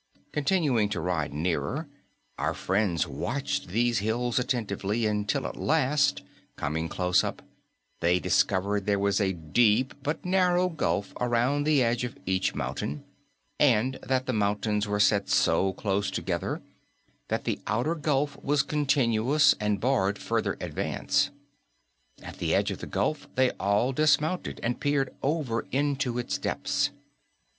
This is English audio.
Continuing to ride nearer, our friends watched these hills attentively, until at last, coming close up, they discovered there was a deep but narrow gulf around the edge of each mountain, and that the mountains were set so close together that the outer gulf was continuous and barred farther advance. At the edge of the gulf they all dismounted and peered over into its depths.